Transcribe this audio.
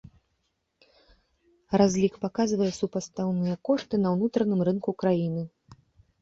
Разлік паказвае супастаўныя кошты на ўнутраным рынку краіны.